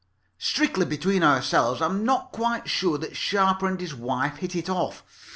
"Strictly between ourselves, I am not quite sure that Sharper and his wife hit it off.